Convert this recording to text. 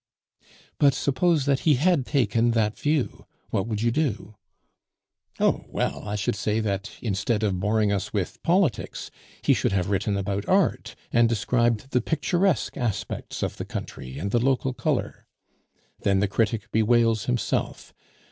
"But suppose that he had taken that view, what would you do?" "Oh well, I should say that instead of boring us with politics, he should have written about art, and described the picturesque aspects of the country and the local color. Then the critic bewails himself.